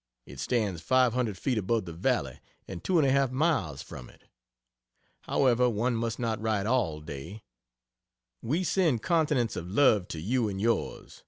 It stands 500 feet above the valley and 2 1/2 miles from it. However one must not write all day. We send continents of love to you and yours.